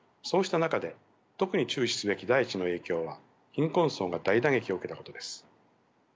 そうした中で特に注視すべき第１の影響は貧困層が大打撃を受けたことです。